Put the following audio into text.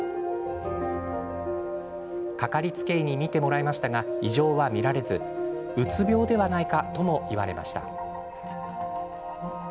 掛かりつけ医に診てもらいましたが異常は見られずうつ病ではないかとも言われました。